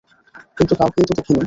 কিন্তু, কাউকেই তো দেখিনি!